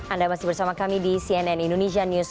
anda masih bersama kami di cnn indonesia news